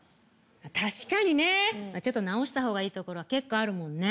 確かにねちょっと直したほうがいいところは結構あるもんね。